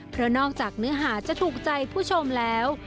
เพราะนอกจากเนื้อหาจะถูกใจผู้ชมแล้ว